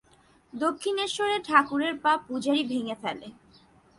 দক্ষিণেশ্বরে ঠাকুরের পা পূজারী ভেঙে ফেলে।